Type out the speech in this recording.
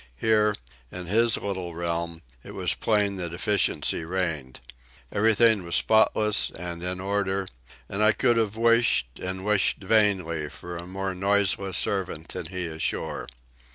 Here, in his little realm, it was plain that efficiency reigned. Everything was spotless and in order, and I could have wished and wished vainly for a more noiseless servant than he ashore.